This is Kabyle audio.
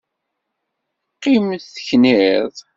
Qqim tekniḍ.